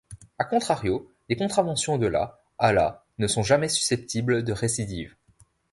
A contrario, les contraventions de la à la ne sont jamais susceptibles de récidive.